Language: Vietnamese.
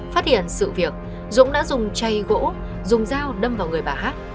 phát hiện sự việc dũng đã dùng chay gỗ dùng dao đâm vào người bà hát